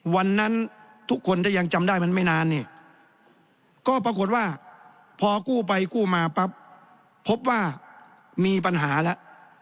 วันนั้นทุกคนถ้ายังจำได้มันไม่นานเนี่ยก็ปรากฏว่าพอกู้ไปกู้มาปั๊บพบว่ามีปัญหาแล้ว